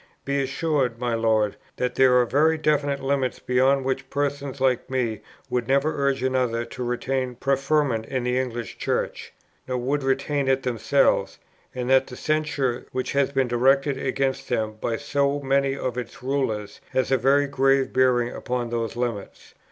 Be assured, my Lord, that there are very definite limits, beyond which persons like me would never urge another to retain preferment in the English Church, nor would retain it themselves; and that the censure which has been directed against them by so many of its Rulers has a very grave bearing upon those limits."